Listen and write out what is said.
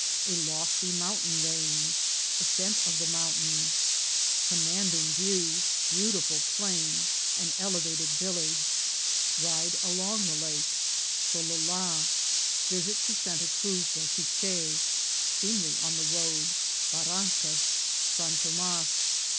— A lofty Mountain Range. — Ascent of the Mountains.— Com manding View.— Beautiful Plain. — An elevated Village.— Ride along the Lake. — Solola. — Visit to Santa Cruz del Quiche. — Scenery on the Road. — Barrancas. — San Thomas.